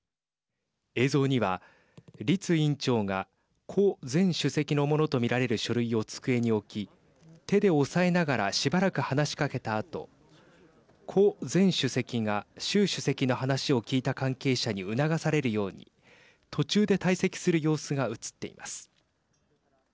映像には栗委員長が胡前主席のものと見られる書類を机に置き手で押さえながらしばらく話かけたあと胡前主席が、習主席の話を聞いた関係者に促されるように途中で退席する様子が映っています。